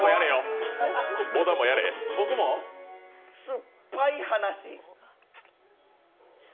酸っぱい話。